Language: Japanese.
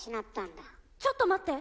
ちょっと待って。